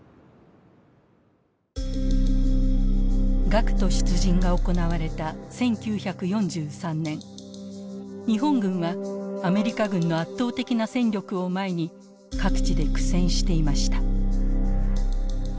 学徒出陣が行われた１９４３年日本軍はアメリカ軍の圧倒的な戦力を前に各地で苦戦していました。